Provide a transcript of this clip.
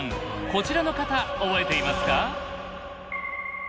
こちらの方覚えていますか？